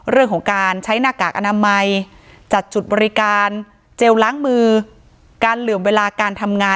เรื่องของการใช้หน้ากากอนามัยจัดจุดบริการเจลล้างมือการเหลื่อมเวลาการทำงาน